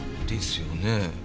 ですよね。